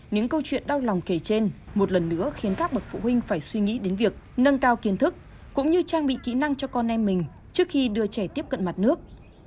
những câu chuyện đau lòng kể trên một lần nữa khiến các bậc phụ huynh phải suy nghĩ đến việc nâng cao kiến thức cũng như trang bị kỹ năng cho con em mình trước khi đưa trẻ tiếp cận mặt nước